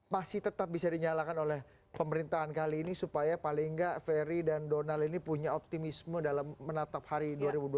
masih tetap bisa dinyalakan oleh pemerintahan kali ini supaya paling nggak ferry dan donald ini punya optimisme dalam menatap hari dua ribu dua puluh